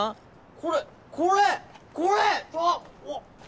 これこれこれ！